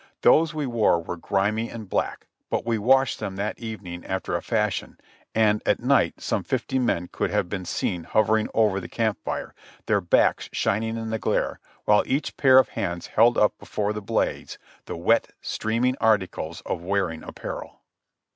Those we wore were grimy and black, but we washed them that evening after a fashion, and at night some fifty men could have been seen hovering over the camp fire, their backs shining in the glare, while each pair of hands held up before the blaze the wet, streaming articles of wear ing apparel.